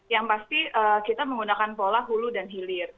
yang pasti kita menggunakan pola hulu dan hilir